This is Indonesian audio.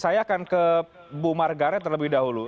saya akan ke bu margaret terlebih dahulu